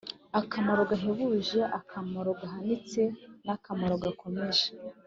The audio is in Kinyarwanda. akamaro gahebuje, akamaro gahanitse n'akamaro gakomeye